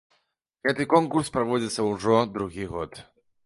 Гэты конкурс праводзіцца ўжо другі год.